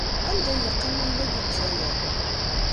Anda ay yeqqim mi yella deg Lezzayer?